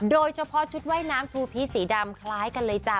โดยเฉพาะชุดว่ายน้ำทูพีชสีดำคล้ายกันเลยจ้ะ